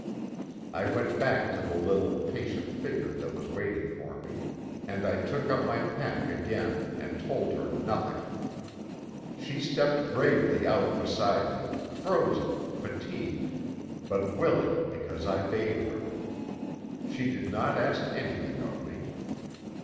I went back to the little, patient figure that was waiting for me, and I took up my pack again and told her nothing. She stepped bravely out beside me, frozen, fatigued, but willing because I bade her. She did not ask anything of me.